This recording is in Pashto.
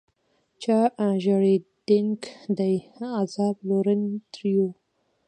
چا ژړېدنک دي عذاب لورن؛ ترينو